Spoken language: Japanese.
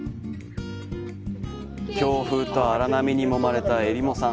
強風と荒波にもまれたえりも産。